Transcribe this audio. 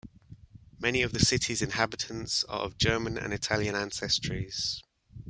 Many of the city's inhabitants are of German and Italian ancestries.